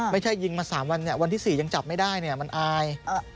ไม่ใช่ยิงมา๓วันวันที่๔ยังจับไม่ได้มันอาย